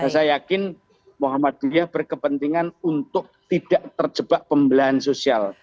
saya yakin muhammadiyah berkepentingan untuk tidak terjebak pembelahan sosial